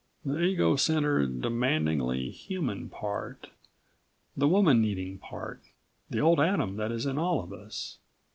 The ego centered, demandingly human part, the woman needing part, the old Adam that's in all of us.